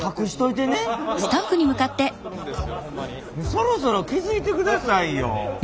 そろそろ気付いてくださいよ。